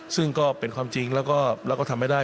ซึ่งก็เป็นความจริงแล้วก็ทำไม่ได้